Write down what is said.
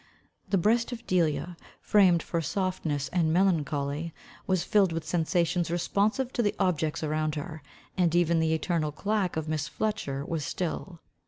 The breast of Delia, framed for softness and melancholy, was filled with sensations responsive to the objects around her, and even the eternal clack of Miss Fletcher was still.